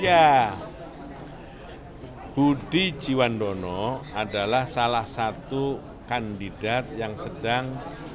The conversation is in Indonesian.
ya budi jiwandono adalah salah satu kandidat yang sedang